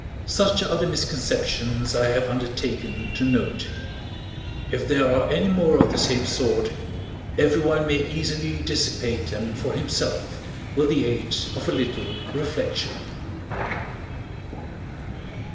Such are the misconceptions I have undertaken to note; if there are any more of the same sort, everyone may easily dissipate them for himself with the aid of a little reflection.